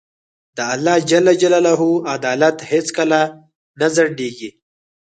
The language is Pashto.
د الله عدالت هیڅکله نه ځنډېږي.